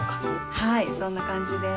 はいそんな感じで。